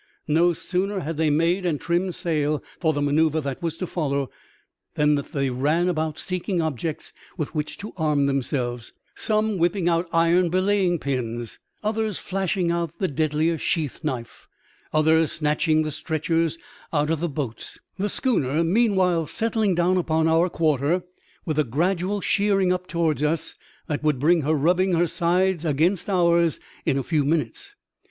No sooner had they made and trimmed sail 56 THinST! AN OCEAN INCIDENT, for the manoeuvre that was to follow, than they ran ahout seeking objects with which to arm themselves, some whipping out iron belaying pins, others flashing out the deadlier sheath knife, others snatching the stretchers out of Hhe boats ; the schooner meanwhile settling down upon our quarter with a gradual sheering up toward us that would bring her rubbing her sides against ours in a few minutes.